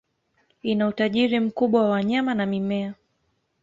Ina utajiri mkubwa wa wanyama na mimea.